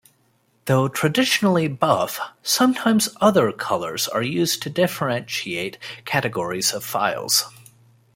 Though traditionally buff, sometimes other colors are used to differentiate categories of files.